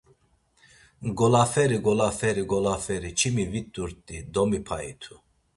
Golaferi, golaferi, golaferi… Çimi vit̆urt̆i domipayitu.